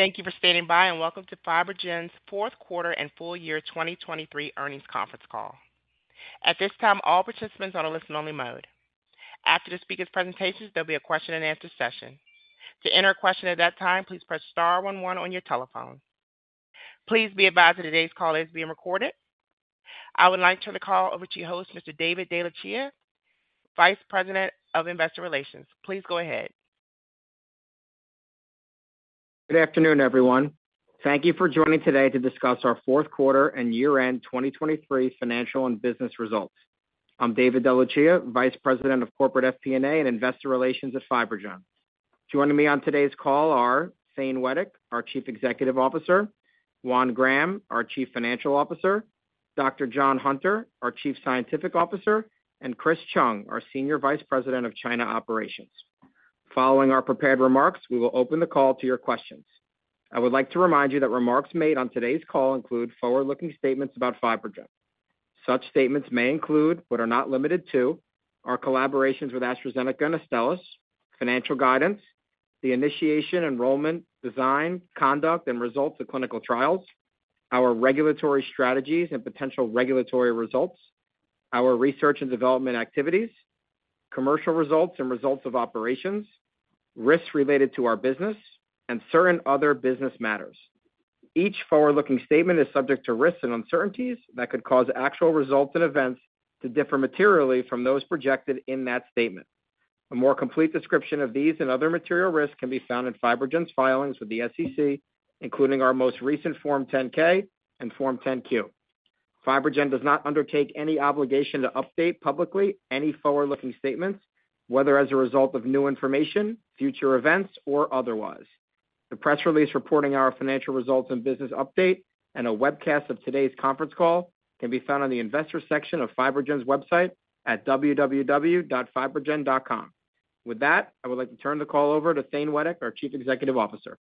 Thank you for standing by and welcome to FibroGen's Fourth Quarter and Full Year 2023 Earnings Conference Call. At this time, all participants are on a listen-only mode. After the speaker's presentations, there'll be a question-and-answer session. To enter a question at that time, please press star one one on your telephone. Please be advised that today's call is being recorded. I would like to turn the call over to your host, Mr. David DeLucia, Vice President of Investor Relations. Please go ahead. Good afternoon, everyone. Thank you for joining today to discuss our fourth quarter and year-end 2023 financial and business results. I'm David DeLucia, Vice President of Corporate FP&A and Investor Relations at FibroGen. Joining me on today's call are Thane Wettig, our Chief Executive Officer; Juan Graham, our Chief Financial Officer; Dr. John Hunter, our Chief Scientific Officer; and Chris Chung, our Senior Vice President of China Operations. Following our prepared remarks, we will open the call to your questions. I would like to remind you that remarks made on today's call include forward-looking statements about FibroGen. Such statements may include, but are not limited to, our collaborations with AstraZeneca and Astellas, financial guidance, the initiation, enrollment, design, conduct, and results of clinical trials, our regulatory strategies and potential regulatory results, our research and development activities, commercial results and results of operations, risks related to our business, and certain other business matters. Each forward-looking statement is subject to risks and uncertainties that could cause actual results and events to differ materially from those projected in that statement. A more complete description of these and other material risks can be found in FibroGen's filings with the SEC, including our most recent Form 10-K and Form 10-Q. FibroGen does not undertake any obligation to update publicly any forward-looking statements, whether as a result of new information, future events, or otherwise. The press release reporting our financial results and business update and a webcast of today's conference call can be found on the Investors section of FibroGen's website at www.fibrogen.com. With that, I would like to turn the call over to Thane Wettig, our Chief Executive Officer.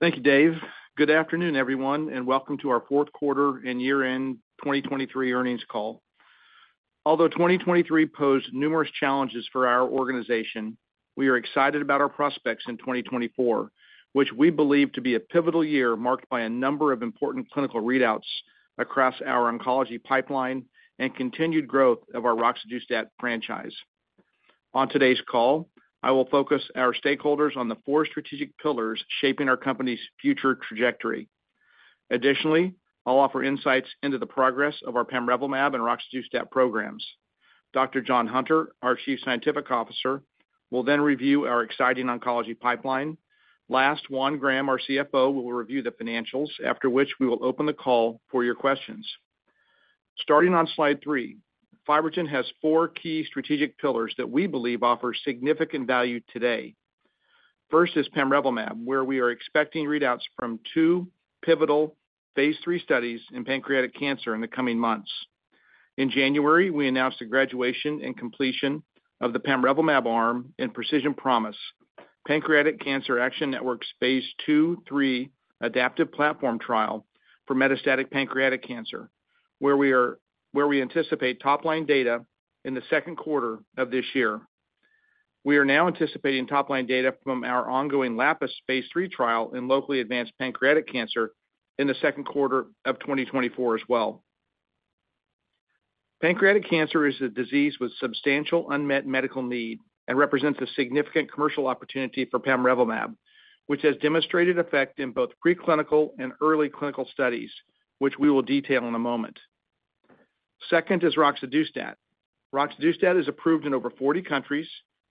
Thank you, Dave. Good afternoon, everyone, and welcome to our fourth quarter and year-end 2023 earnings call. Although 2023 posed numerous challenges for our organization, we are excited about our prospects in 2024, which we believe to be a pivotal year marked by a number of important clinical readouts across our oncology pipeline and continued growth of our roxadustat franchise. On today's call, I will focus our stakeholders on the four strategic pillars shaping our company's future trajectory. Additionally, I'll offer insights into the progress of our pamrevlumab and roxadustat programs. Dr. John Hunter, our Chief Scientific Officer, will then review our exciting oncology pipeline. Last, Juan Graham, our CFO, will review the financials, after which we will open the call for your questions. Starting on slide three, FibroGen has four key strategic pillars that we believe offer significant value today. First is pamrevlumab, where we are expecting readouts from two pivotal phase III studies in pancreatic cancer in the coming months. In January, we announced the graduation and completion of the pamrevlumab arm in Precision Promise, Pancreatic Cancer Action Network's phase II/III adaptive platform trial for metastatic pancreatic cancer, where we anticipate top-line data in the second quarter of this year. We are now anticipating top-line data from our ongoing LAPIS phase III trial in locally advanced pancreatic cancer in the second quarter of 2024 as well. Pancreatic cancer is a disease with substantial unmet medical need and represents a significant commercial opportunity for pamrevlumab, which has demonstrated effect in both preclinical and early clinical studies, which we will detail in a moment. Second is roxadustat. Roxadustat is approved in over 40 countries,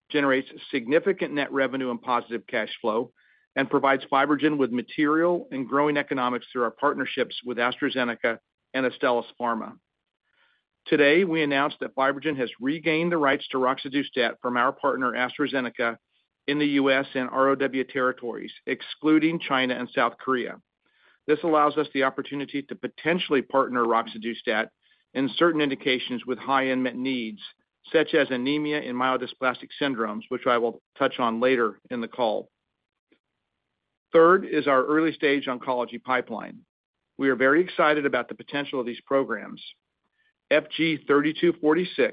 generates significant net revenue and positive cash flow, and provides FibroGen with material and growing economics through our partnerships with AstraZeneca and Astellas Pharma. Today, we announced that FibroGen has regained the rights to roxadustat from our partner AstraZeneca in the U.S. and ROW territories, excluding China and South Korea. This allows us the opportunity to potentially partner Roxadustat in certain indications with high unmet needs, such as anemia and myelodysplastic syndromes, which I will touch on later in the call. Third is our early-stage oncology pipeline. We are very excited about the potential of these programs. FG-3246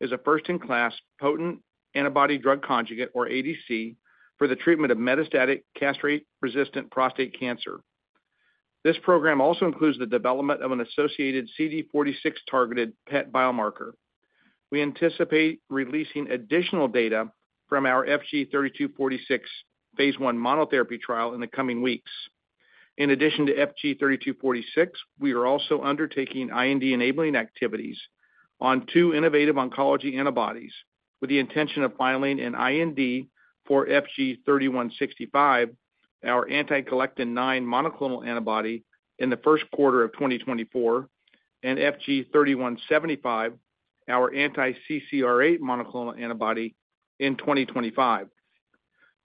is a first-in-class potent antibody-drug conjugate, or ADC, for the treatment of metastatic castration-resistant prostate cancer. This program also includes the development of an associated CD46-targeted PET biomarker. We anticipate releasing additional data from our FG-3246 phase I monotherapy trial in the coming weeks. In addition to FG-3246, we are also undertaking IND-enabling activities on two innovative oncology antibodies with the intention of filing an IND for FG-3165, our anti-galectin-9 monoclonal antibody in the first quarter of 2024, and FG-3175, our anti-CCR8 monoclonal antibody in 2025.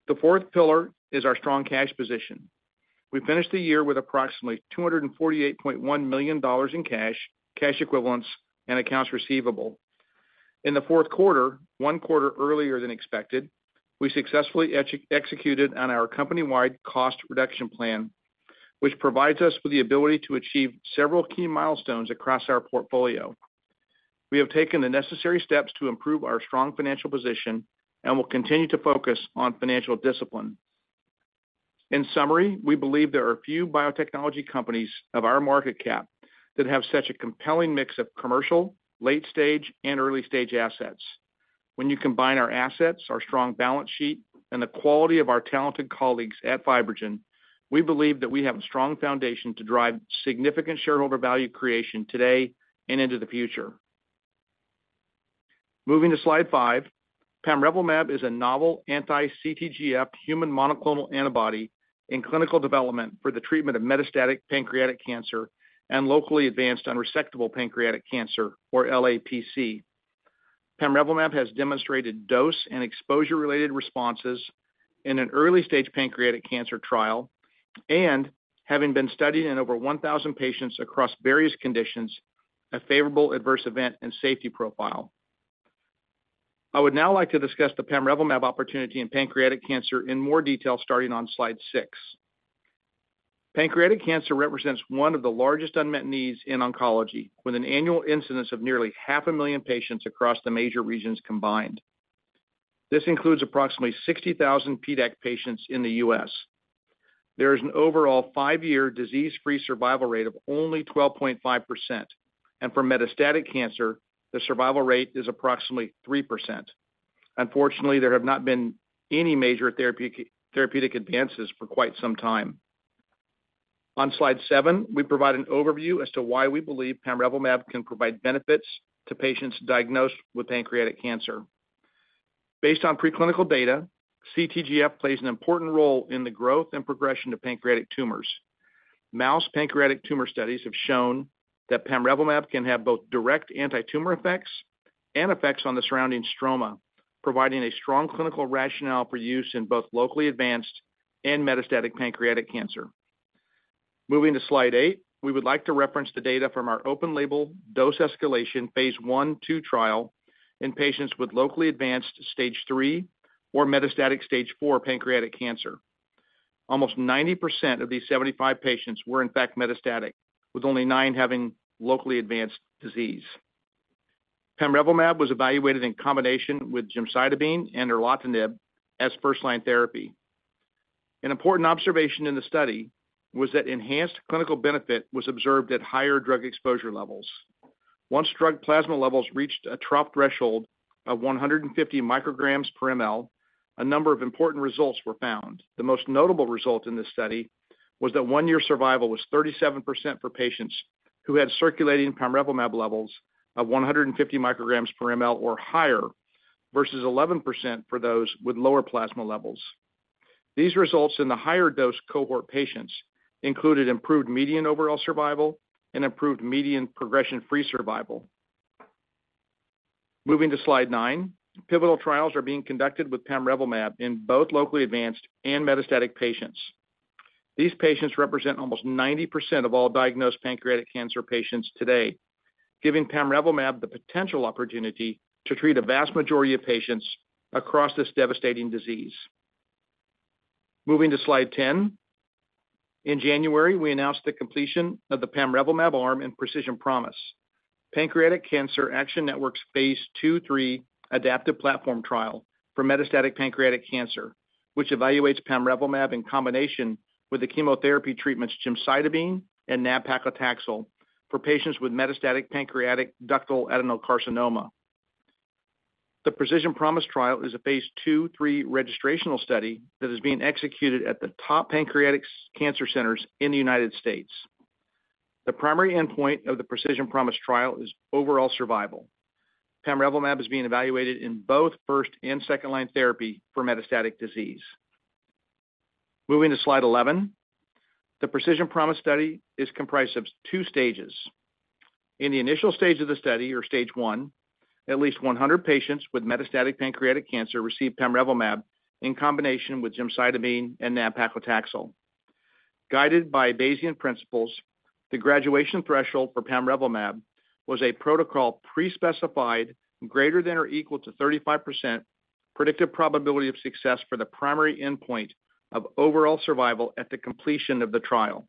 The fourth pillar is our strong cash position. We finished the year with approximately $248.1 million in cash, cash equivalents, and accounts receivable. In the fourth quarter, one quarter earlier than expected, we successfully executed on our company-wide cost reduction plan, which provides us with the ability to achieve several key milestones across our portfolio. We have taken the necessary steps to improve our strong financial position and will continue to focus on financial discipline. In summary, we believe there are few biotechnology companies of our market cap that have such a compelling mix of commercial, late-stage, and early-stage assets. When you combine our assets, our strong balance sheet, and the quality of our talented colleagues at FibroGen, we believe that we have a strong foundation to drive significant shareholder value creation today and into the future. Moving to slide five, pamrevlumab is a novel anti-CTGF human monoclonal antibody in clinical development for the treatment of metastatic pancreatic cancer and locally advanced unresectable pancreatic cancer, or LAPC. Pamrevlumab has demonstrated dose and exposure-related responses in an early-stage pancreatic cancer trial and, having been studied in over 1,000 patients across various conditions, a favorable adverse event and safety profile. I would now like to discuss the pamrevlumab opportunity in pancreatic cancer in more detail starting on slide six. Pancreatic cancer represents one of the largest unmet needs in oncology, with an annual incidence of nearly 500,000 patients across the major regions combined. This includes approximately 60,000 PDAC patients in the U.S. There is an overall five-year disease-free survival rate of only 12.5%, and for metastatic cancer, the survival rate is approximately 3%. Unfortunately, there have not been any major therapeutic advances for quite some time. On slide 7, we provide an overview as to why we believe pamrevlumab can provide benefits to patients diagnosed with pancreatic cancer. Based on preclinical data, CTGF plays an important role in the growth and progression of pancreatic tumors. Mouse pancreatic tumor studies have shown that pamrevlumab can have both direct anti-tumor effects and effects on the surrounding stroma, providing a strong clinical rationale for use in both locally advanced and metastatic pancreatic cancer. Moving to slide eight, we would like to reference the data from our open-label dose escalation phase I,II trial in patients with locally advanced stage 3 or metastatic stage 4 pancreatic cancer. Almost 90% of these 75 patients were, in fact, metastatic, with only nine having locally advanced disease. Pamrevlumab was evaluated in combination with gemcitabine and erlotinib as first-line therapy. An important observation in the study was that enhanced clinical benefit was observed at higher drug exposure levels. Once drug plasma levels reached a trough threshold of 150 micrograms per mL, a number of important results were found. The most notable result in this study was that one-year survival was 37% for patients who had circulating pamrevlumab levels of 150 micrograms per mL or higher versus 11% for those with lower plasma levels. These results in the higher dose cohort patients included improved median overall survival and improved median progression-free survival. Moving to slide nine, pivotal trials are being conducted with pamrevlumab in both locally advanced and metastatic patients. These patients represent almost 90% of all diagnosed pancreatic cancer patients today, giving pamrevlumab the potential opportunity to treat a vast majority of patients across this devastating disease. Moving to slide 10, in January, we announced the completion of the pamrevlumab arm in Precision Promise, Pancreatic Cancer Action Network's phase II/III adaptive platform trial for metastatic pancreatic cancer, which evaluates pamrevlumab in combination with the chemotherapy treatments gemcitabine and nab-paclitaxel for patients with metastatic pancreatic ductal adenocarcinoma. The Precision Promise trial is a phase II/III registrational study that is being executed at the top pancreatic cancer centers in the United States. The primary endpoint of the Precision Promise trial is overall survival. Pamrevlumab is being evaluated in both first- and second-line therapy for metastatic disease. Moving to slide 11, the Precision Promise study is comprised of two stages. In the initial stage of the study, or stage one, at least 100 patients with metastatic pancreatic cancer received pamrevlumab in combination with gemcitabine and nab-paclitaxel. Guided by Bayesian principles, the graduation threshold for pamrevlumab was a protocol pre-specified greater than or equal to 35% predictive probability of success for the primary endpoint of overall survival at the completion of the trial.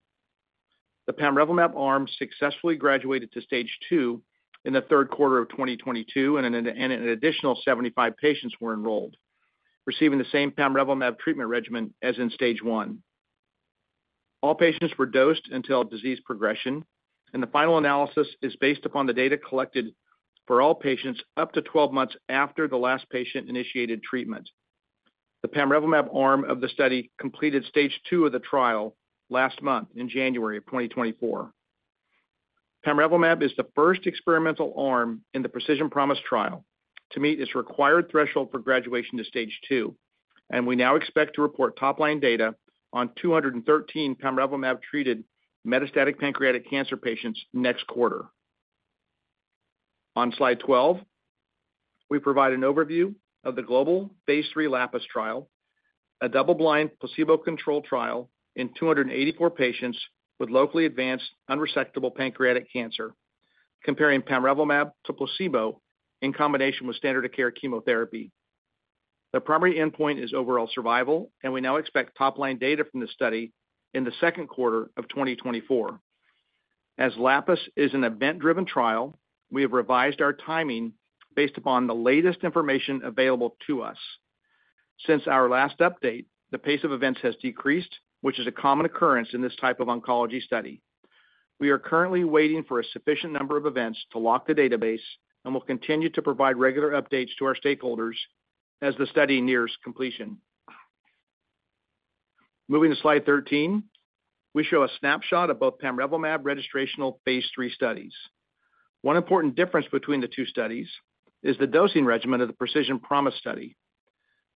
The pamrevlumab arm successfully graduated to stage two in the third quarter of 2022, and an additional 75 patients were enrolled, receiving the same pamrevlumab treatment regimen as in stage one. All patients were dosed until disease progression, and the final analysis is based upon the data collected for all patients up to 12 months after the last patient initiated treatment. The pamrevlumab arm of the study completed stage 2 of the trial last month in January of 2024. Pamrevlumab is the first experimental arm in the Precision Promise trial to meet its required threshold for graduation to stage 2, and we now expect to report top-line data on 213 pamrevlumab treated metastatic pancreatic cancer patients next quarter. On slide 12, we provide an overview of the global phase II LAPIS trial, a double-blind placebo-controlled trial in 284 patients with locally advanced unresectable pancreatic cancer, comparing pamrevlumab to placebo in combination with standard-of-care chemotherapy. The primary endpoint is overall survival, and we now expect top-line data from the study in the second quarter of 2024. As LAPIS is an event-driven trial, we have revised our timing based upon the latest information available to us. Since our last update, the pace of events has decreased, which is a common occurrence in this type of oncology study. We are currently waiting for a sufficient number of events to lock the database and will continue to provide regular updates to our stakeholders as the study nears completion. Moving to slide 13, we show a snapshot of both pamrevlumab registrational phase III studies. One important difference between the two studies is the dosing regimen of the Precision Promise study.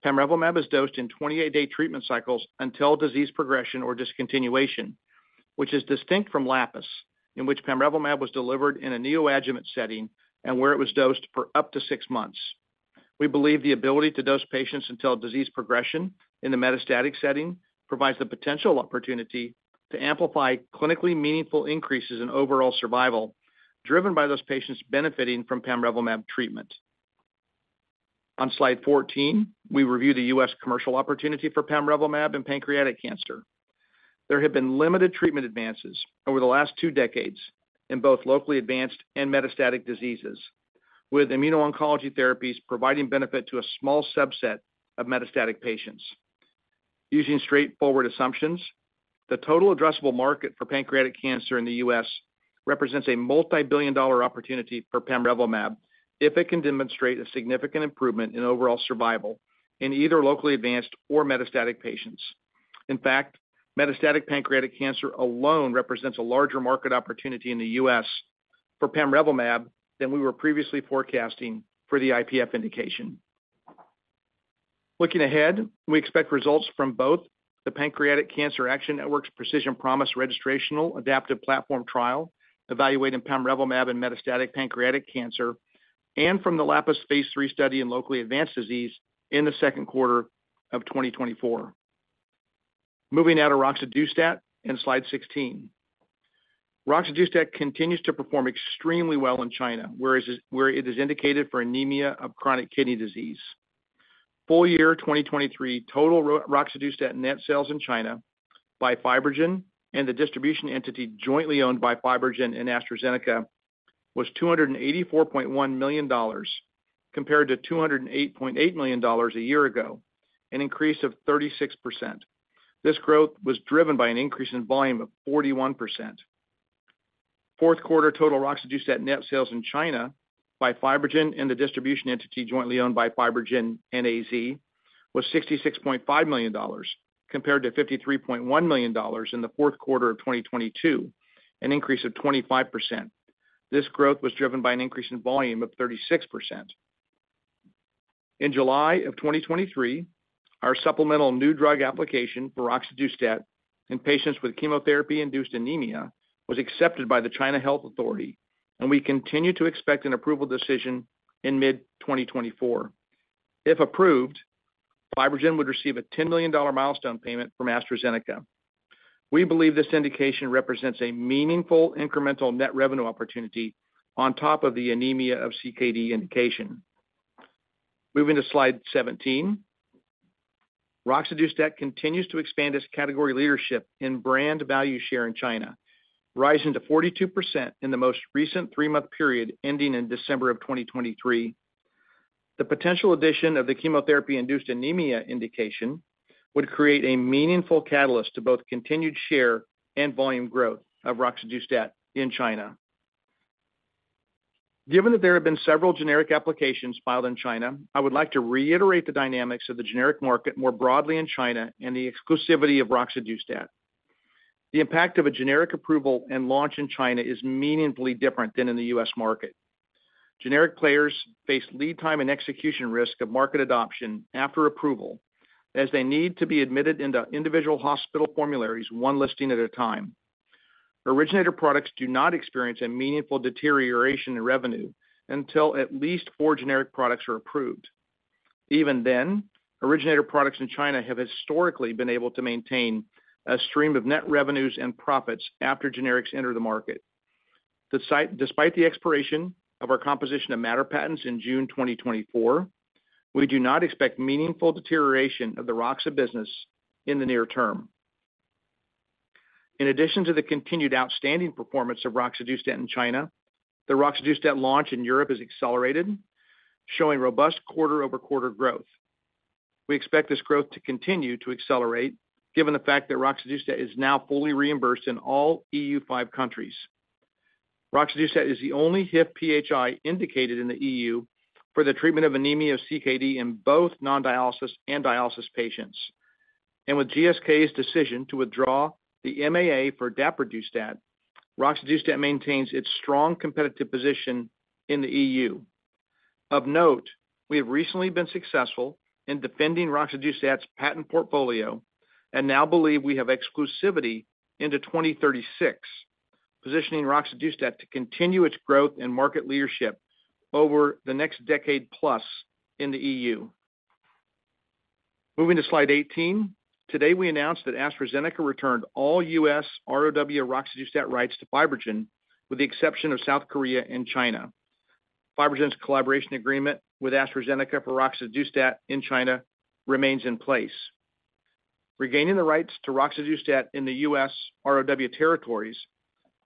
Pamrevlumab is dosed in 28-day treatment cycles until disease progression or discontinuation, which is distinct from LAPIS, in which pamrevlumab was delivered in a neoadjuvant setting and where it was dosed for up to six months. We believe the ability to dose patients until disease progression in the metastatic setting provides the potential opportunity to amplify clinically meaningful increases in overall survival driven by those patients benefiting from pamrevlumab treatment. On slide 14, we review the U.S. commercial opportunity for pamrevlumab in pancreatic cancer. There have been limited treatment advances over the last two decades in both locally advanced and metastatic diseases, with immuno-oncology therapies providing benefit to a small subset of metastatic patients. Using straightforward assumptions, the total addressable market for pancreatic cancer in the U.S. represents a multibillion-dollar opportunity for pamrevlumab if it can demonstrate a significant improvement in overall survival in either locally advanced or metastatic patients. In fact, metastatic pancreatic cancer alone represents a larger market opportunity in the U.S. for pamrevlumab than we were previously forecasting for the IPF indication. Looking ahead, we expect results from both the Pancreatic Cancer Action Network's Precision Promise registrational adaptive platform trial evaluating pamrevlumab in metastatic pancreatic cancer and from the LAPIS phase III study in locally advanced disease in the second quarter of 2024. Moving now to roxadustat in slide 16. Roxadustat continues to perform extremely well in China, where it is indicated for anemia of chronic kidney disease. Full year 2023 total roxadustat net sales in China by FibroGen and the distribution entity jointly owned by FibroGen and AstraZeneca was $284.1 million compared to $208.8 million a year ago, an increase of 36%. This growth was driven by an increase in volume of 41%. Fourth quarter total roxadustat net sales in China by FibroGen and the distribution entity jointly owned by FibroGen and AstraZeneca was $66.5 million compared to $53.1 million in the fourth quarter of 2022, an increase of 25%. This growth was driven by an increase in volume of 36%. In July of 2023, our supplemental new drug application for roxadustat in patients with chemotherapy-induced anemia was accepted by the China Health Authority, and we continue to expect an approval decision in mid-2024. If approved, FibroGen would receive a $10 million milestone payment from AstraZeneca. We believe this indication represents a meaningful incremental net revenue opportunity on top of the anemia of CKD indication. Moving to slide 17. Roxadustat continues to expand its category leadership in brand value share in China, rising to 42% in the most recent three-month period ending in December of 2023. The potential addition of the chemotherapy-induced anemia indication would create a meaningful catalyst to both continued share and volume growth of roxadustat in China. Given that there have been several generic applications filed in China, I would like to reiterate the dynamics of the generic market more broadly in China and the exclusivity of roxadustat. The impact of a generic approval and launch in China is meaningfully different than in the U.S. market. Generic players face lead time and execution risk of market adoption after approval as they need to be admitted into individual hospital formularies one listing at a time. Originator products do not experience a meaningful deterioration in revenue until at least four generic products are approved. Even then, originator products in China have historically been able to maintain a stream of net revenues and profits after generics enter the market. Despite the expiration of our composition of matter patents in June 2024, we do not expect meaningful deterioration of the Roxa business in the near term. In addition to the continued outstanding performance of roxadustat in China, the roxadustat launch in Europe has accelerated, showing robust quarter-over-quarter growth. We expect this growth to continue to accelerate given the fact that roxadustat is now fully reimbursed in all EU five countries. Roxadustat is the only HIF-PHI indicated in the EU for the treatment of anemia of CKD in both non-dialysis and dialysis patients. With GSK's decision to withdraw the MAA for daprodustat, roxadustat maintains its strong competitive position in the EU. Of note, we have recently been successful in defending roxadustat's patent portfolio and now believe we have exclusivity into 2036, positioning roxadustat to continue its growth and market leadership over the next decade plus in the EU. Moving to slide 18. Today, we announced that AstraZeneca returned all U.S. ROW roxadustat rights to FibroGen, with the exception of South Korea and China. FibroGen's collaboration agreement with AstraZeneca for roxadustat in China remains in place. Regaining the rights to roxadustat in the U.S. ROW territories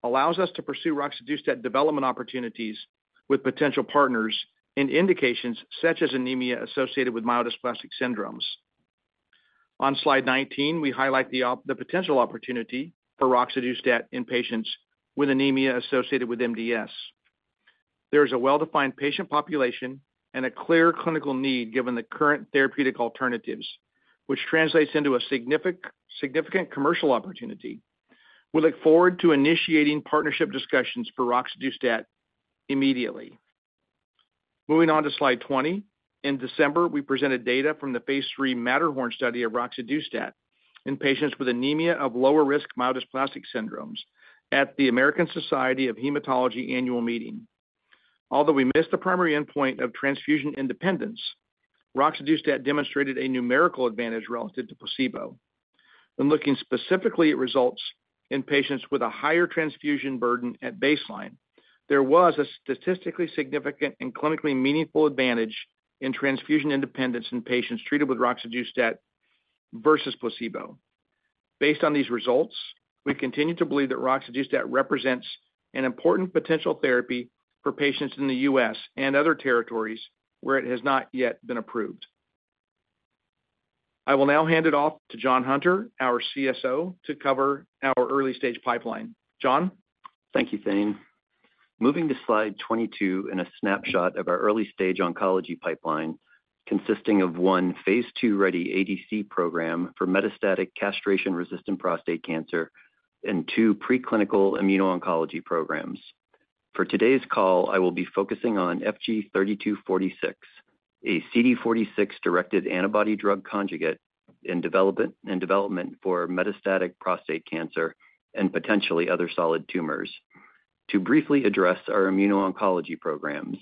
allows us to pursue roxadustat development opportunities with potential partners in indications such as anemia associated with myelodysplastic syndromes. On slide 19, we highlight the potential opportunity for roxadustat in patients with anemia associated with MDS. There is a well-defined patient population and a clear clinical need given the current therapeutic alternatives, which translates into a significant commercial opportunity. We look forward to initiating partnership discussions for roxadustat immediately. Moving on to slide 20. In December, we presented data from the phase III MATTERHORN study of roxadustat in patients with anemia of lower-risk myelodysplastic syndromes at the American Society of Hematology annual meeting. Although we missed the primary endpoint of transfusion independence, roxadustat demonstrated a numerical advantage relative to placebo. When looking specifically at results in patients with a higher transfusion burden at baseline, there was a statistically significant and clinically meaningful advantage in transfusion independence in patients treated with roxadustat versus placebo. Based on these results, we continue to believe that roxadustat represents an important potential therapy for patients in the U.S. and other territories where it has not yet been approved. I will now hand it off to John Hunter, our CSO, to cover our early stage pipeline. John? Thank you, Thane. Moving to slide 22 and a snapshot of our early-stage oncology pipeline consisting of one phase II-ready ADC program for metastatic castration-resistant prostate cancer and two preclinical immuno-oncology programs. For today's call, I will be focusing on FG-3246, a CD46-directed antibody-drug conjugate in development for metastatic prostate cancer and potentially other solid tumors. To briefly address our immuno-oncology programs,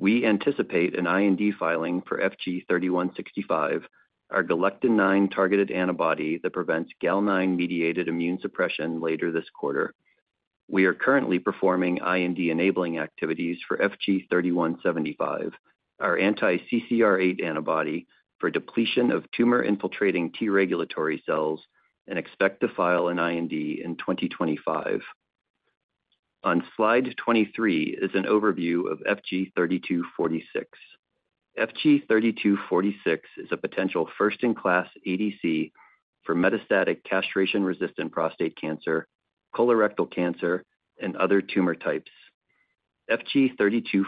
we anticipate an IND filing for FG-3165, our galectin-9 targeted antibody that prevents Gal9-mediated immune suppression later this quarter. We are currently performing IND-enabling activities for FG-3175, our anti-CCR8 antibody for depletion of tumor-infiltrating T regulatory cells, and expect to file an IND in 2025. On slide 23 is an overview of FG-3246. FG-3246 is a potential first-in-class ADC for metastatic castration-resistant prostate cancer, colorectal cancer, and other tumor types. FG-3246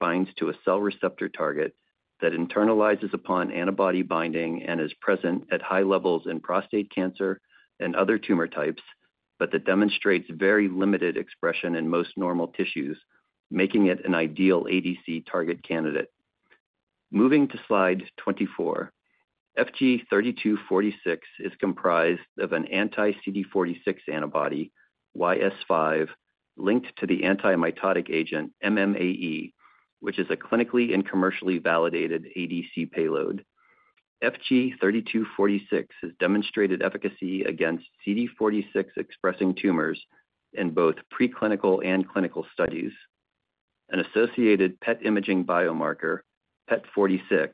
binds to a cell receptor target that internalizes upon antibody binding and is present at high levels in prostate cancer and other tumor types, but that demonstrates very limited expression in most normal tissues, making it an ideal ADC target candidate. Moving to slide 24. FG-3246 is comprised of an anti-CD46 antibody, YS5, linked to the antimitotic agent MMAE, which is a clinically and commercially validated ADC payload. FG-3246 has demonstrated efficacy against CD46-expressing tumors in both preclinical and clinical studies. An associated PET imaging biomarker, PET46,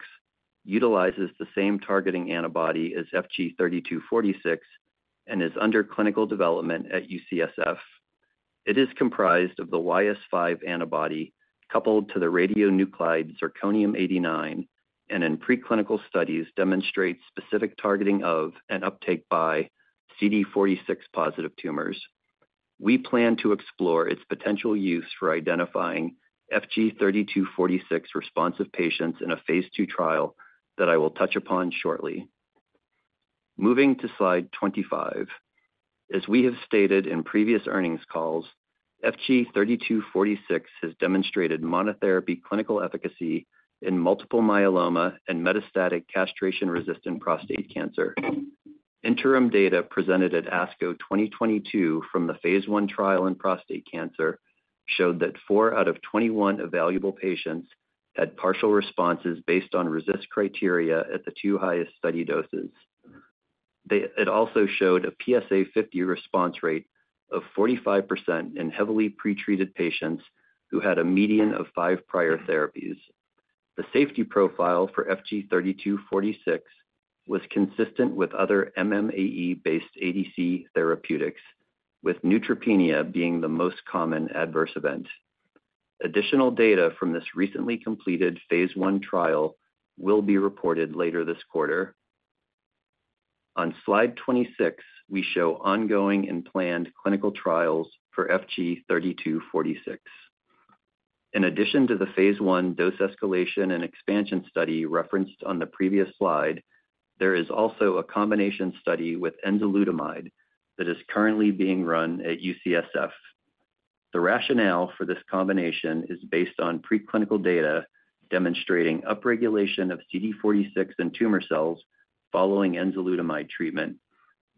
utilizes the same targeting antibody as FG-3246 and is under clinical development at UCSF. It is comprised of the YS5 antibody coupled to the radionuclide zirconium-89 and in preclinical studies demonstrates specific targeting of and uptake by CD46-positive tumors. We plan to explore its potential use for identifying FG-3246 responsive patients in a phase II trial that I will touch upon shortly. Moving to slide 25. As we have stated in previous earnings calls, FG-3246 has demonstrated monotherapy clinical efficacy in multiple myeloma and metastatic castration-resistant prostate cancer. Interim data presented at ASCO 2022 from the phase I trial in prostate cancer showed that four out of 21 available patients had partial responses based on RECIST criteria at the two highest study doses. It also showed a PSA 50 response rate of 45% in heavily pretreated patients who had a median of five prior therapies. The safety profile for FG-3246 was consistent with other MMAE-based ADC therapeutics, with neutropenia being the most common adverse event. Additional data from this recently completed phase I trial will be reported later this quarter. On slide 26, we show ongoing and planned clinical trials for FG-3246. In addition to the phase I dose escalation and expansion study referenced on the previous slide, there is also a combination study with enzalutamide that is currently being run at UCSF. The rationale for this combination is based on preclinical data demonstrating upregulation of CD46 in tumor cells following enzalutamide treatment,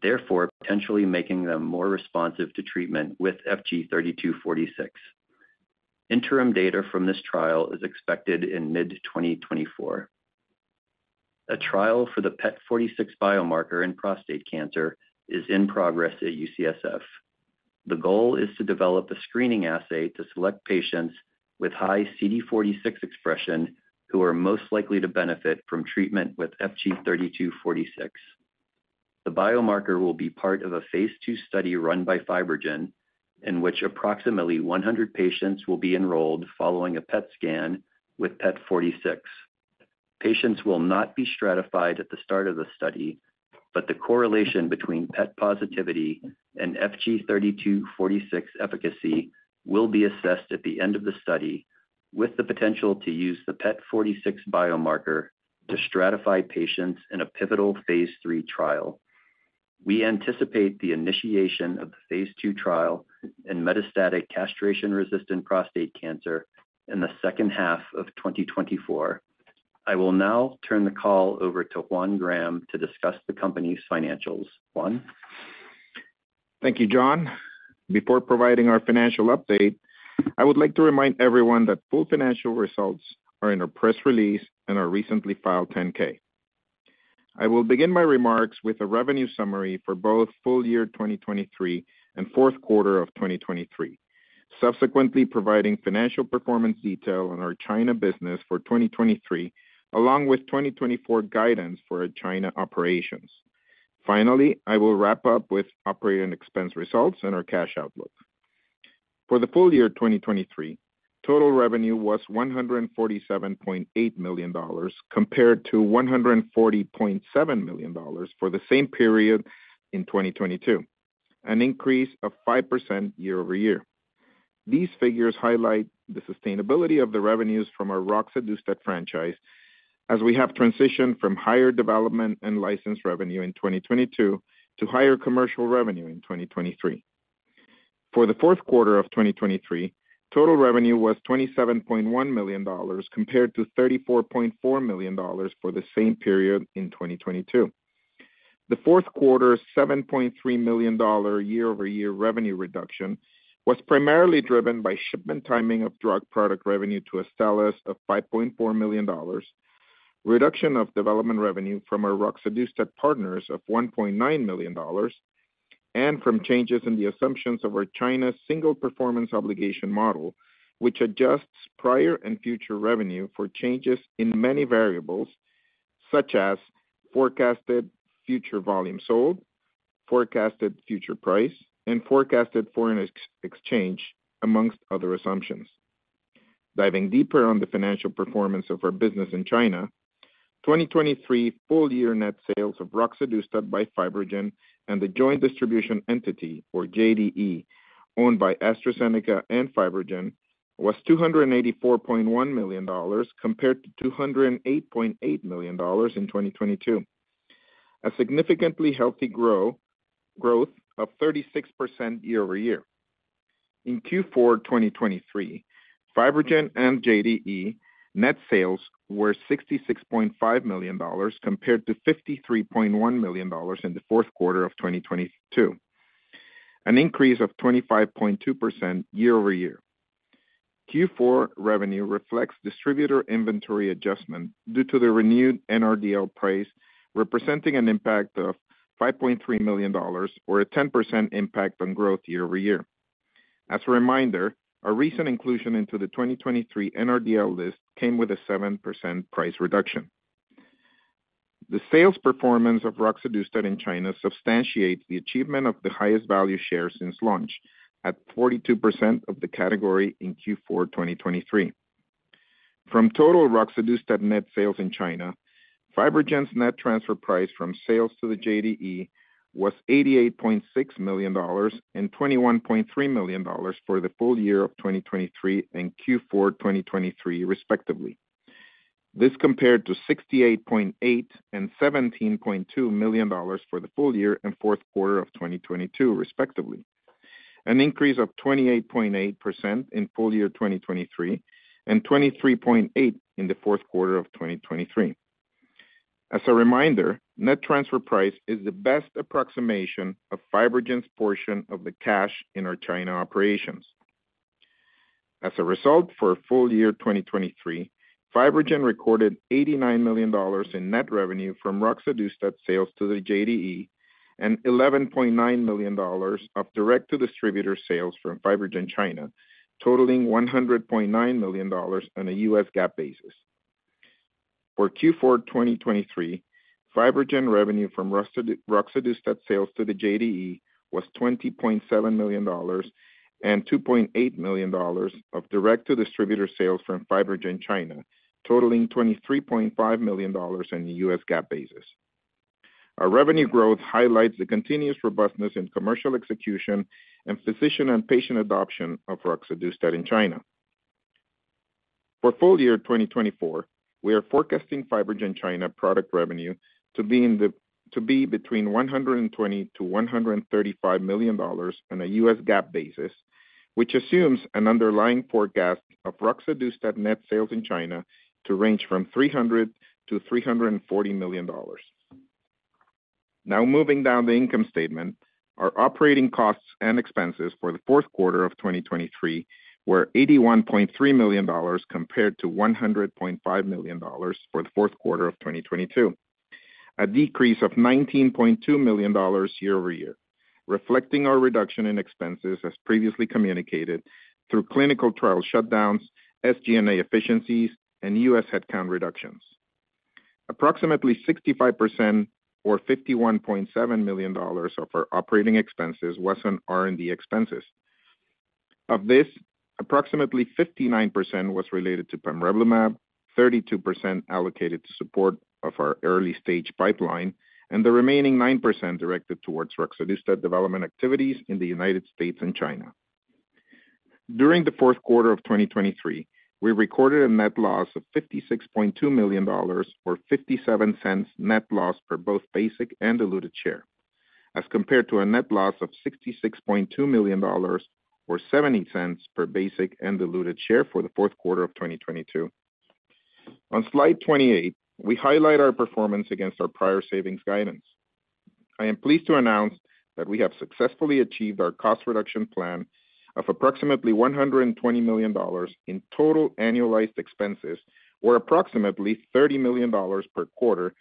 therefore potentially making them more responsive to treatment with FG-3246. Interim data from this trial is expected in mid-2024. A trial for the PET46 biomarker in prostate cancer is in progress at UCSF. The goal is to develop a screening assay to select patients with high CD46 expression who are most likely to benefit from treatment with FG-3246. The biomarker will be part of a phase II study run by FibroGen, in which approximately 100 patients will be enrolled following a PET scan with PET46. Patients will not be stratified at the start of the study, but the correlation between PET positivity and FG-3246 efficacy will be assessed at the end of the study, with the potential to use the PET46 biomarker to stratify patients in a pivotal phase III trial. We anticipate the initiation of the phase II trial in metastatic castration-resistant prostate cancer in the second half of 2024. I will now turn the call over to Juan Graham to discuss the company's financials. Juan? Thank you, John. Before providing our financial update, I would like to remind everyone that full financial results are in a press release and our recently filed 10-K. I will begin my remarks with a revenue summary for both full year 2023 and fourth quarter of 2023, subsequently providing financial performance detail on our China business for 2023, along with 2024 guidance for our China operations. Finally, I will wrap up with operating expense results and our cash outlook. For the full year 2023, total revenue was $147.8 million compared to $140.7 million for the same period in 2022, an increase of 5% year-over-year. These figures highlight the sustainability of the revenues from our roxadustat franchise as we have transitioned from higher development and license revenue in 2022 to higher commercial revenue in 2023. For the fourth quarter of 2023, total revenue was $27.1 million compared to $34.4 million for the same period in 2022. The fourth quarter's $7.3 million year-over-year revenue reduction was primarily driven by shipment timing of drug product revenue to Astellas of $5.4 million, reduction of development revenue from our roxadustat partners of $1.9 million, and from changes in the assumptions of our China single performance obligation model, which adjusts prior and future revenue for changes in many variables such as forecasted future volume sold, forecasted future price, and forecasted foreign exchange, among other assumptions. Diving deeper on the financial performance of our business in China, 2023 full year net sales of roxadustat by FibroGen and the joint distribution entity, or JDE, owned by AstraZeneca and FibroGen, was $284.1 million compared to $208.8 million in 2022, a significantly healthy growth of 36% year-over-year. In Q4 2023, FibroGen and JDE net sales were $66.5 million compared to $53.1 million in the fourth quarter of 2022, an increase of 25.2% year-over-year. Q4 revenue reflects distributor inventory adjustment due to the renewed NRDL price, representing an impact of $5.3 million or a 10% impact on growth year-over-year. As a reminder, our recent inclusion into the 2023 NRDL list came with a 7% price reduction. The sales performance of roxadustat in China substantiates the achievement of the highest value share since launch at 42% of the category in Q4 2023. From total roxadustat net sales in China, FibroGen's net transfer price from sales to the JDE was $88.6 million and $21.3 million for the full year of 2023 and Q4 2023, respectively. This compared to $68.8 and $17.2 million for the full year and fourth quarter of 2022, respectively, an increase of 28.8% in full year 2023 and 23.8% in the fourth quarter of 2023. As a reminder, net transfer price is the best approximation of FibroGen's portion of the cash in our China operations. As a result, for full year 2023, FibroGen recorded $89 million in net revenue from roxadustat sales to the JDE and $11.9 million of direct-to-distributor sales from FibroGen China, totaling $100.9 million on a U.S. GAAP basis. For Q4 2023, FibroGen revenue from roxadustat sales to the JDE was $20.7 million and $2.8 million of direct-to-distributor sales from FibroGen China, totaling $23.5 million on the U.S. GAAP basis. Our revenue growth highlights the continuous robustness in commercial execution and physician and patient adoption of roxadustat in China. For full year 2024, we are forecasting FibroGen China product revenue to be between $120 million-$135 million on a U.S. GAAP basis, which assumes an underlying forecast of roxadustat net sales in China to range from $300 million-$340 million. Now moving down the income statement, our operating costs and expenses for the fourth quarter of 2023 were $81.3 million compared to $100.5 million for the fourth quarter of 2022, a decrease of $19.2 million year-over-year, reflecting our reduction in expenses as previously communicated through clinical trial shutdowns, SG&A efficiencies, and U.S. headcount reductions. Approximately 65% or $51.7 million of our operating expenses was on R&D expenses. Of this, approximately 59% was related to pamrevlumab, 32% allocated to support of our early-stage pipeline, and the remaining 9% directed towards roxadustat development activities in the United States and China. During the fourth quarter of 2023, we recorded a net loss of $56.2 million or $0.57 net loss per both basic and diluted share, as compared to a net loss of $66.2 million or $0.70 per basic and diluted share for the fourth quarter of 2022. On slide 28, we highlight our performance against our prior savings guidance. I am pleased to announce that we have successfully achieved our cost reduction plan of approximately $120 million in total annualized expenses or approximately $30 million per quarter,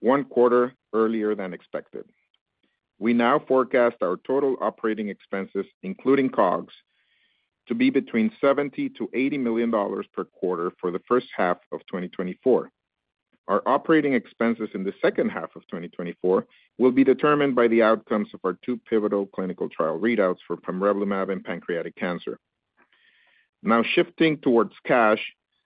one quarter earlier than expected. We now forecast our total operating expenses, including COGS, to be between $70 million-$80 million per quarter for the first half of 2024. Our operating expenses in the second half of 2024 will be determined by the outcomes of our two pivotal clinical trial readouts for pamrevlumab and pancreatic cancer. Now shifting towards cash,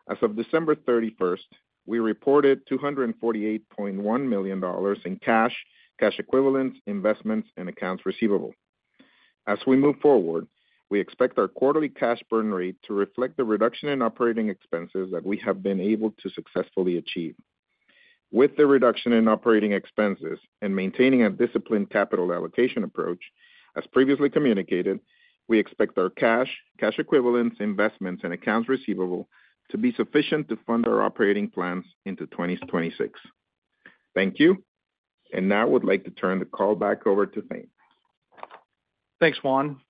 as of December 31st, we reported $248.1 million in cash, cash equivalents, investments, and accounts receivable. As we move forward, we expect our quarterly cash burn rate to reflect the reduction in operating expenses that we have been able to successfully achieve. With the reduction in operating expenses and maintaining a disciplined capital allocation approach, as previously communicated, we expect our cash, cash equivalents, investments, and accounts receivable to be sufficient to fund our operating plans into 2026. Thank you. And now I would like to turn the call back over to Thane. Thanks, Juan.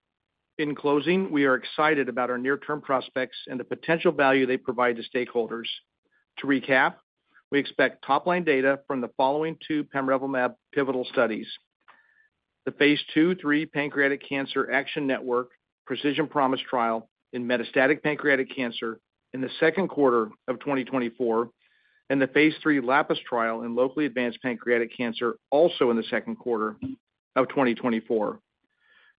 In closing, we are excited about our near-term prospects and the potential value they provide to stakeholders. To recap, we expect top-line data from the following two pamrevlumab pivotal studies: the phase II/III Pancreatic Cancer Action Network Precision Promise trial in metastatic pancreatic cancer in the second quarter of 2024, and the phase II LAPIS trial in locally advanced pancreatic cancer also in the second quarter of 2024.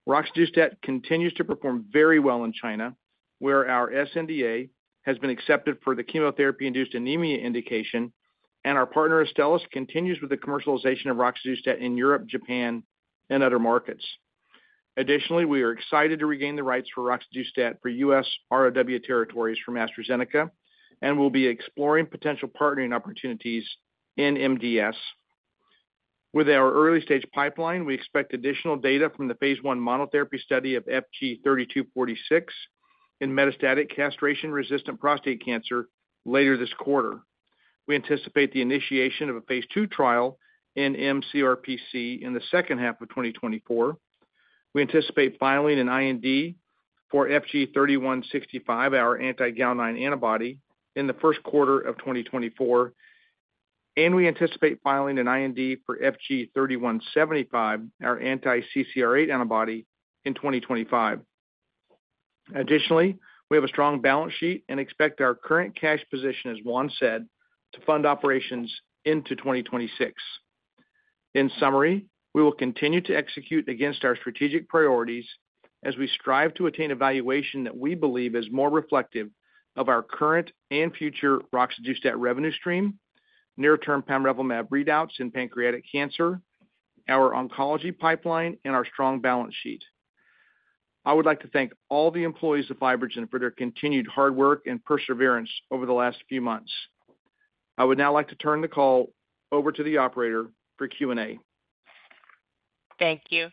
Roxadustat continues to perform very well in China, where our SNDA has been accepted for the chemotherapy-induced anemia indication, and our partner Astellas continues with the commercialization of roxadustat in Europe, Japan, and other markets. Additionally, we are excited to regain the rights for roxadustat for U.S. ROW territories from AstraZeneca and will be exploring potential partnering opportunities in MDS. With our early-stage pipeline, we expect additional data from the phase I monotherapy study of FG-3246 in metastatic castration resistant prostate cancer later this quarter. We anticipate the initiation of a phase II trial in mCRPC in the second half of 2024. We anticipate filing an IND for FG-3165, our anti-GAL9 antibody, in the first quarter of 2024, and we anticipate filing an IND for FG-3175, our anti-CCR8 antibody, in 2025. Additionally, we have a strong balance sheet and expect our current cash position, as Juan said, to fund operations into 2026. In summary, we will continue to execute against our strategic priorities as we strive to attain evaluation that we believe is more reflective of our current and future roxadustat revenue stream, near-term pamrevlumab readouts in pancreatic cancer, our oncology pipeline, and our strong balance sheet. I would like to thank all the employees of FibroGen for their continued hard work and perseverance over the last few months. I would now like to turn the call over to the operator for Q&A. Thank you.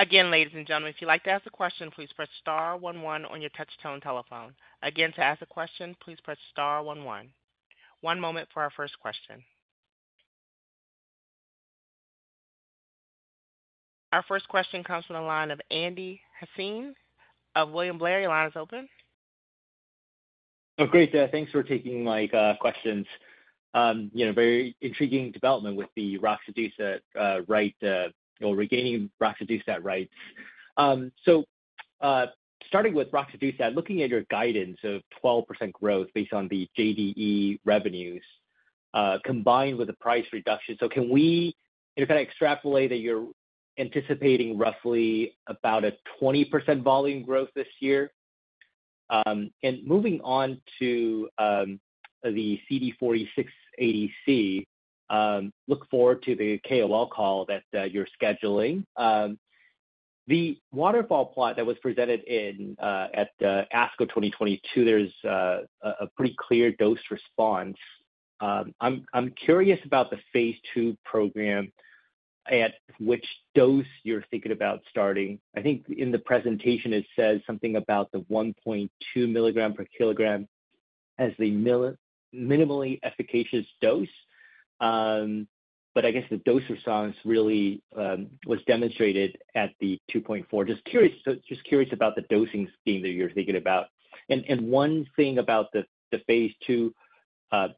Again, ladies and gentlemen, if you'd like to ask a question, please press star 11 on your touch-tone telephone. Again, to ask a question, please press star 11. One moment for our first question. Our first question comes from the line of Andy Hsieh of William Blair. Your line is open. Oh, great. Thanks for taking my questions. Very intriguing development with the roxadustat rights or regaining roxadustat rights. So starting with roxadustat, looking at your guidance of 12% growth based on the JDE revenues combined with the price reduction, so can we kind of extrapolate that you're anticipating roughly about a 20% volume growth this year? And moving on to the FG-3246, look forward to the KOL call that you're scheduling. The waterfall plot that was presented at ASCO 2022, there's a pretty clear dose response. I'm curious about the phase II program at which dose you're thinking about starting. I think in the presentation, it says something about the 1.2 mg/kg as the minimally efficacious dose. But I guess the dose response really was demonstrated at the 2.4. Just curious about the dosings being that you're thinking about. One thing about the phase II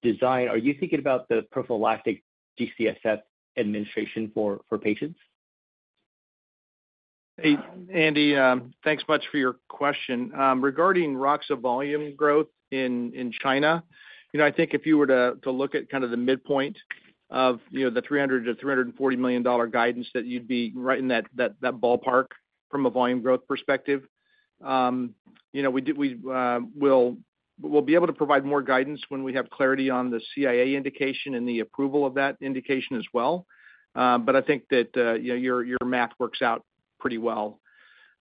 design, are you thinking about the prophylactic G-CSF administration for patients? Andy, thanks much for your question. Regarding Roxa volume growth in China, I think if you were to look at kind of the midpoint of the $300 million-$340 million guidance, that you'd be right in that ballpark from a volume growth perspective. We'll be able to provide more guidance when we have clarity on the CIA indication and the approval of that indication as well. But I think that your math works out pretty well.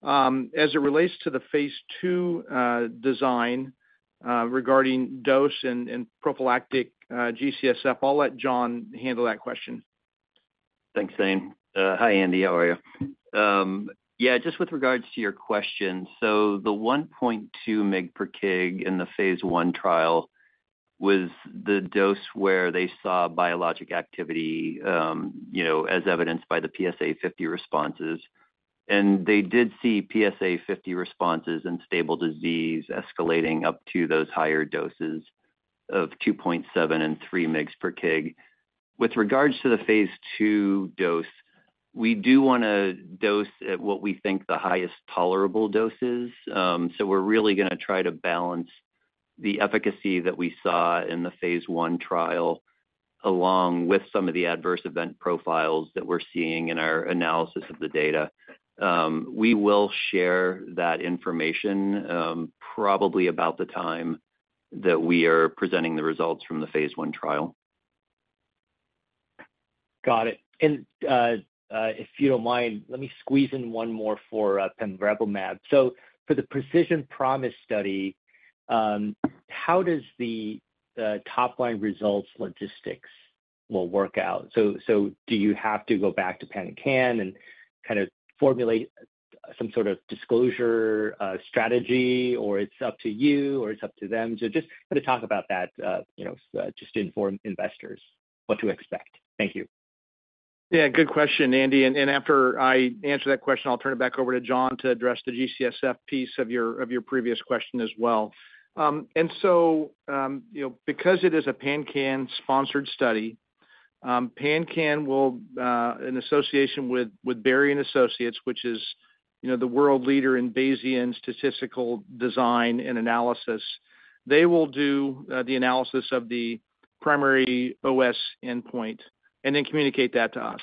As it relates to the phase II design regarding dose and prophylactic GCSF, I'll let John handle that question. Thanks, Thane. Hi, Andy. How are you? Yeah, just with regards to your question, so the 1.2 mg/kg in the phase I trial was the dose where they saw biologic activity as evidenced by the PSA 50 responses. They did see PSA 50 responses and stable disease escalating up to those higher doses of 2.7 and 3 mg/kg. With regards to the phase II dose, we do want to dose at what we think the highest tolerable doses. We're really going to try to balance the efficacy that we saw in the phase I trial along with some of the adverse event profiles that we're seeing in our analysis of the data. We will share that information probably about the time that we are presenting the results from the phase I trial. Got it. And if you don't mind, let me squeeze in one more for pamrevlumab. So for the Precision Promise study, how does the top-line results logistics will work out? So do you have to go back to PanCAN and kind of formulate some sort of disclosure strategy, or it's up to you, or it's up to them? So just kind of talk about that just to inform investors what to expect. Thank you. Yeah, good question, Andy. After I answer that question, I'll turn it back over to John to address the G-CSF piece of your previous question as well. So because it is a PanCAN-sponsored study, PanCAN will, in association with Berry Consultants, which is the world leader in Bayesian statistical design and analysis, do the analysis of the primary OS endpoint and then communicate that to us.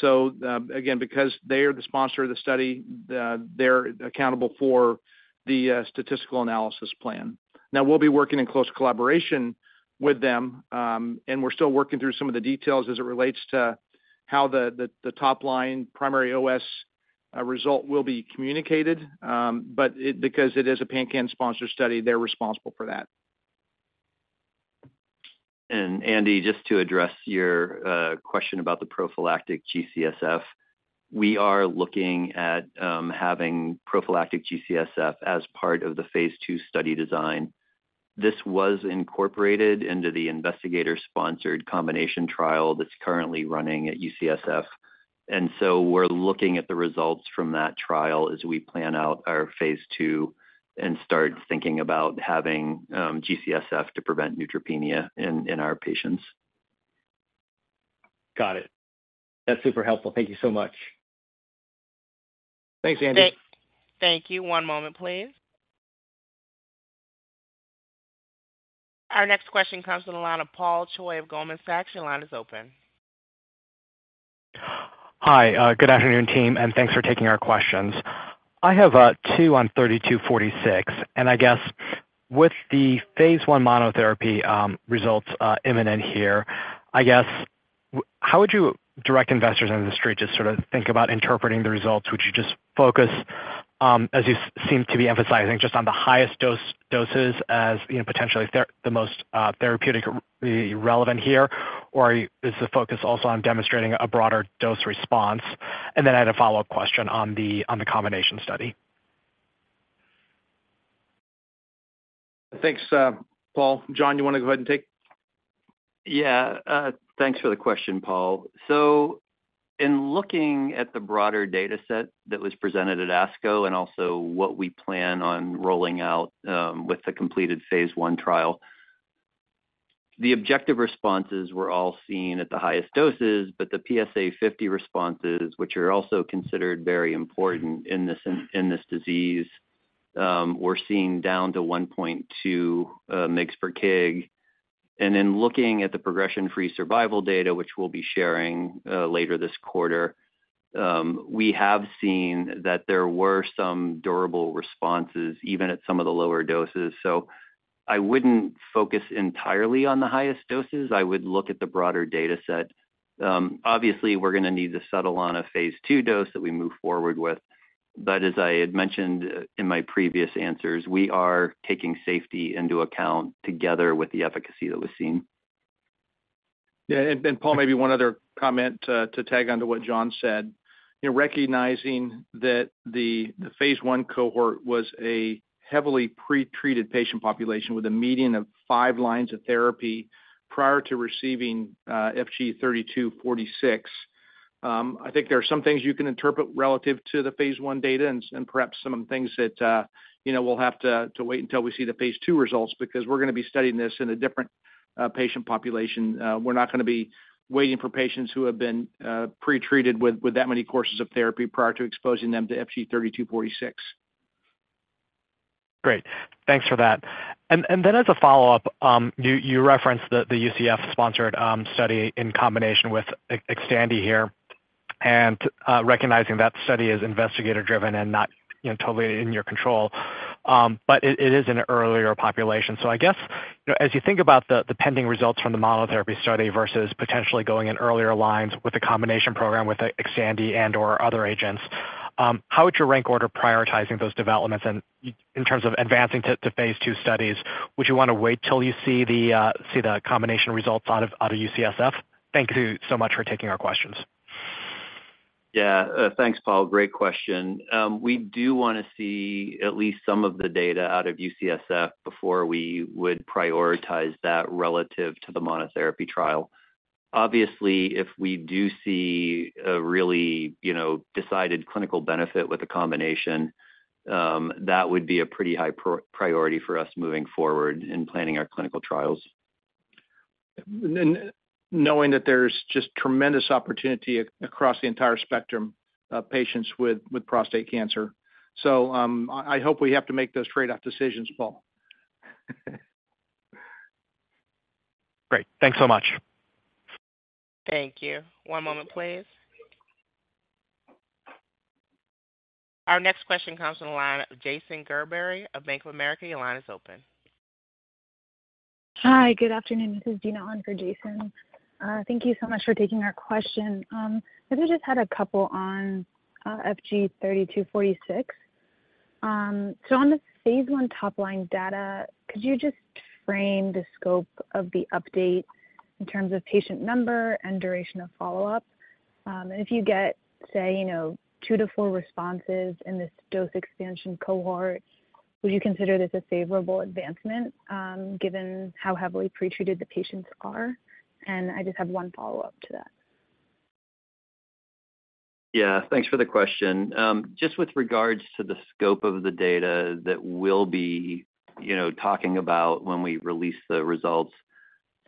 So again, because they are the sponsor of the study, they're accountable for the statistical analysis plan. Now, we'll be working in close collaboration with them, and we're still working through some of the details as it relates to how the top-line primary OS result will be communicated. But because it is a PanCAN-sponsored study, they're responsible for that. Andy, just to address your question about the prophylactic G-CSF, we are looking at having prophylactic G-CSF as part of the phase II study design. This was incorporated into the investigator-sponsored combination trial that's currently running at UCSF. So we're looking at the results from that trial as we plan out our phase II and start thinking about having G-CSF to prevent neutropenia in our patients. Got it. That's super helpful. Thank you so much. Thanks, Andy. Great. Thank you. One moment, please. Our next question comes from the line of Paul Choi of Goldman Sachs. Your line is open. Hi. Good afternoon, team, and thanks for taking our questions. I have two on 3246. And I guess with the phase I monotherapy results imminent here, I guess how would you direct investors in the street to sort of think about interpreting the results? Would you just focus, as you seem to be emphasizing, just on the highest doses as potentially the most therapeutically relevant here, or is the focus also on demonstrating a broader dose response? And then I had a follow-up question on the combination study. Thanks, Paul. John, you want to go ahead and take? Yeah. Thanks for the question, Paul. So in looking at the broader dataset that was presented at ASCO and also what we plan on rolling out with the completed phase I trial, the objective responses were all seen at the highest doses, but the PSA50 responses, which are also considered very important in this disease, were seen down to 1.2 mg per kg. And then looking at the progression-free survival data, which we'll be sharing later this quarter, we have seen that there were some durable responses even at some of the lower doses. So I wouldn't focus entirely on the highest doses. I would look at the broader dataset. Obviously, we're going to need to settle on a phase II dose that we move forward with. But as I had mentioned in my previous answers, we are taking safety into account together with the efficacy that was seen. Yeah. And Paul, maybe one other comment to tag onto what John said. Recognizing that the phase I cohort was a heavily pretreated patient population with a median of five lines of therapy prior to receiving FG-3246, I think there are some things you can interpret relative to the phase I data and perhaps some things that we'll have to wait until we see the phase II results because we're going to be studying this in a different patient population. We're not going to be waiting for patients who have been pretreated with that many courses of therapy prior to exposing them to FG-3246. Great. Thanks for that. And then as a follow-up, you referenced the UCSF-sponsored study in combination with Xtandi here. And recognizing that study is investigator-driven and not totally in your control, but it is an earlier population. So I guess as you think about the pending results from the monotherapy study versus potentially going in earlier lines with a combination program with Xtandi and/or other agents, how would you rank order prioritizing those developments? And in terms of advancing to phase II studies, would you want to wait till you see the combination results out of UCSF? Thank you so much for taking our questions. Yeah. Thanks, Paul. Great question. We do want to see at least some of the data out of UCSF before we would prioritize that relative to the monotherapy trial. Obviously, if we do see a really decided clinical benefit with a combination, that would be a pretty high priority for us moving forward in planning our clinical trials. Knowing that there's just tremendous opportunity across the entire spectrum of patients with prostate cancer. I hope we have to make those trade-off decisions, Paul. Great. Thanks so much. Thank you. One moment, please. Our next question comes from the line of Jason Gerberry of Bank of America. Your line is open. Hi. Good afternoon. This is Dina Ahn for Jason. Thank you so much for taking our question. I think I just had a couple on FG-3246. So on the phase I top-line data, could you just frame the scope of the update in terms of patient number and duration of follow-up? And if you get, say, 2-4 responses in this dose expansion cohort, would you consider this a favorable advancement given how heavily pretreated the patients are? And I just have one follow-up to that. Yeah. Thanks for the question. Just with regards to the scope of the data that we'll be talking about when we release the results,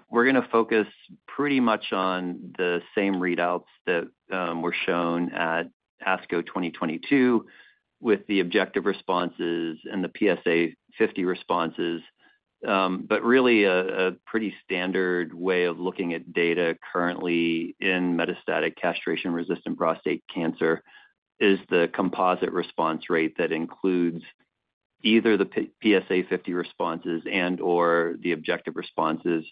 we're going to focus pretty much on the same readouts that were shown at ASCO 2022 with the objective responses and the PSA 50 responses. But really, a pretty standard way of looking at data currently in metastatic castration-resistant prostate cancer is the composite response rate that includes either the PSA 50 responses and/or the objective responses.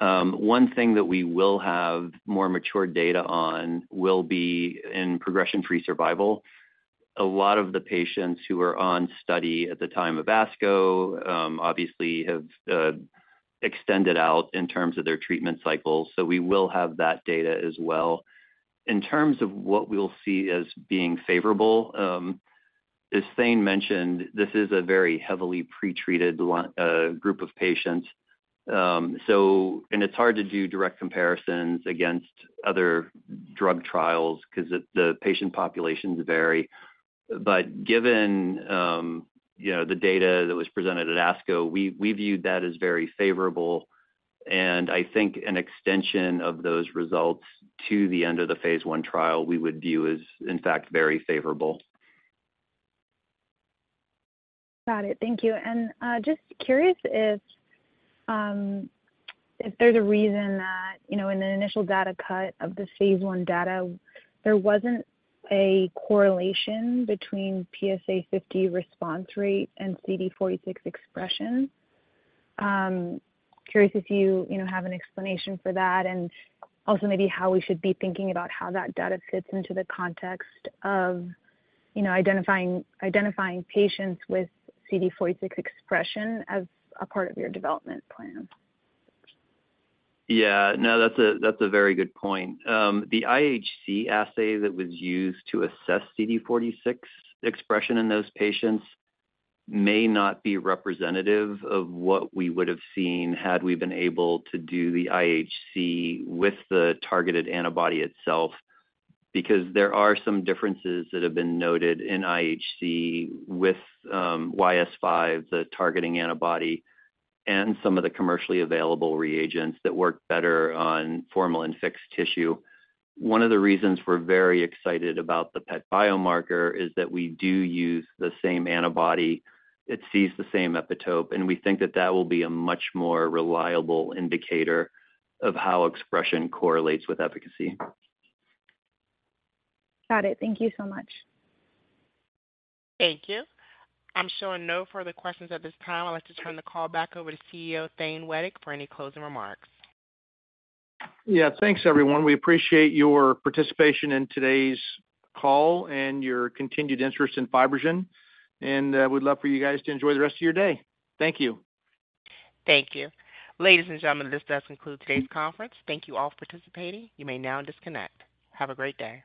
One thing that we will have more matured data on will be in progression-free survival. A lot of the patients who are on study at the time of ASCO obviously have extended out in terms of their treatment cycles. So we will have that data as well. In terms of what we'll see as being favorable, as Thane mentioned, this is a very heavily pretreated group of patients. It's hard to do direct comparisons against other drug trials because the patient populations vary. Given the data that was presented at ASCO, we viewed that as very favorable. I think an extension of those results to the end of the phase I trial, we would view as, in fact, very favorable. Got it. Thank you. And just curious if there's a reason that in the initial data cut of the phase I data, there wasn't a correlation between PSA 50 response rate and CD46 expression. Curious if you have an explanation for that and also maybe how we should be thinking about how that data fits into the context of identifying patients with CD46 expression as a part of your development plan? Yeah. No, that's a very good point. The IHC assay that was used to assess CD46 expression in those patients may not be representative of what we would have seen had we been able to do the IHC with the targeted antibody itself because there are some differences that have been noted in IHC with YS5, the targeting antibody, and some of the commercially available reagents that work better on formalin-fixed tissue. One of the reasons we're very excited about the PET biomarker is that we do use the same antibody. It sees the same epitope. And we think that that will be a much more reliable indicator of how expression correlates with efficacy. Got it. Thank you so much. Thank you. I'm showing no further questions at this time. I'd like to turn the call back over to CEO Thane Wettig for any closing remarks. Yeah. Thanks, everyone. We appreciate your participation in today's call and your continued interest in FibroGen. We'd love for you guys to enjoy the rest of your day. Thank you. Thank you. Ladies and gentlemen, this does conclude today's conference. Thank you all for participating. You may now disconnect. Have a great day.